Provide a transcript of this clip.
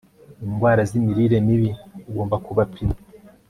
indwara z'imirire mibi, ugomba kubapima